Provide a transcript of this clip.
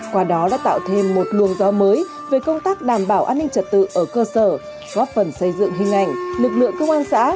qua đó đã tạo thêm một luồng gió mới về công tác đảm bảo an ninh trật tự ở cơ sở góp phần xây dựng hình ảnh lực lượng công an xã